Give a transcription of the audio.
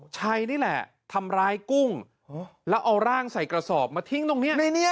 ชัยนี่แหละทำร้ายกุ้งแล้วเอาร่างใส่กระสอบมาทิ้งตรงนี้